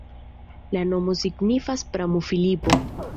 La nomo signifas pramo-Filipo.